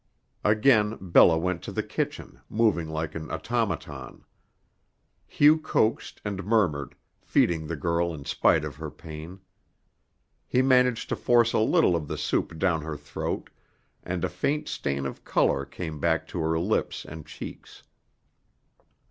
Again Bella went to the kitchen, moving like an automaton. Hugh coaxed and murmured, feeding the girl in spite of her pain. He managed to force a little of the soup down her throat, and a faint stain of color came back to her lips and cheeks.